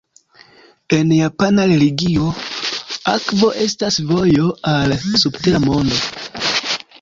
En japana religio, akvo estas vojo al subtera mondo.